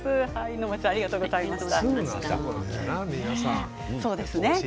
能町さんありがとうございました。